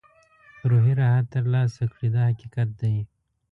روحي راحت ترلاسه کړي دا حقیقت دی.